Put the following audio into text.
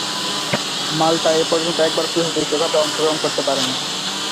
মাল্টা এপর্যন্ত একবারও ফিফা বিশ্বকাপে অংশগ্রহণ করতে পারেনি।